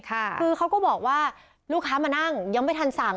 คือเขาก็บอกว่าลูกค้ามานั่งยังไม่ทันสั่ง